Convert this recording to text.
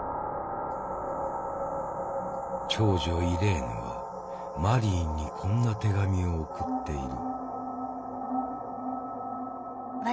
長女イレーヌはマリーにこんな手紙を送っている。